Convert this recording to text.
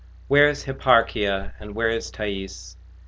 Where's Hipparchia, and where is Thaïs?